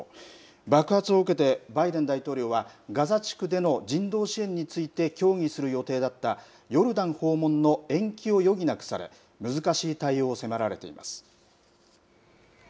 爆発を受けて、バイデン大統領は、ガザ地区での人道支援について協議する予定だった、ヨルダン訪問の延期を余儀なくされ、難しい対応を迫られています。